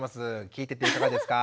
聞いてていかがですか？